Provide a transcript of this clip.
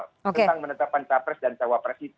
tentang menetapkan capres dan cawapres itu